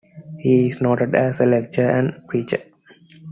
He was noted as a lecturer and preacher.